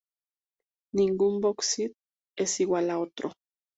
Ningún Box Set es igual a otro.